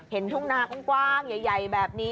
ทุ่งนากว้างใหญ่แบบนี้